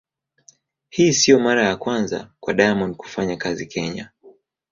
Hii sio mara ya kwanza kwa Diamond kufanya kazi Kenya.